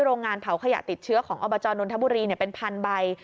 โรงงานเผาขยะติดเชื้อของอบจนนทบุรีเป็นพันใบ